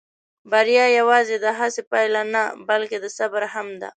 بریا یواځې د هڅې پایله نه، بلکې د صبر هم ده.